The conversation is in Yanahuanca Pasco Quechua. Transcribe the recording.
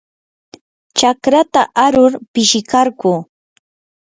chakrata arur pishikarquu.